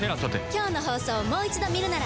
今日の放送をもう一度見るなら。